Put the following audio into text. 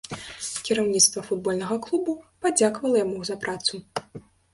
Кіраўніцтва футбольнага клуба падзякавала яму за працу.